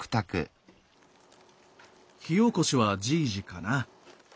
火おこしはじぃじかな？